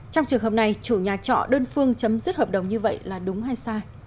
trong trường hợp này chủ nhà trọ đơn phương chấm dứt hợp đồng như vậy là đúng hay sai